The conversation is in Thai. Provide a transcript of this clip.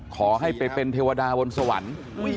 ขอให้ไปเป็นเทวดาบนสวรรค์